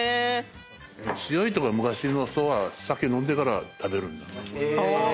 強いとか昔の人は酒飲んでから食べる。